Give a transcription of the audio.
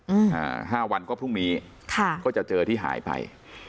อ่าห้าวันก็พรุ่งนี้ค่ะก็จะเจอที่หายไป